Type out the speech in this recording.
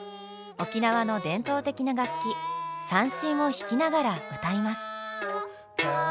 沖縄の伝統的な楽器三線を弾きながら歌います。